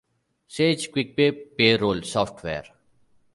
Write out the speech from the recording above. Sage QuickPay payroll software.